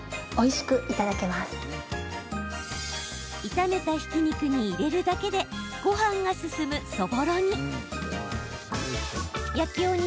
炒めたひき肉に入れるだけでごはんが進むそぼろに。